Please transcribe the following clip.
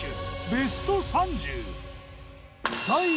ベスト３０。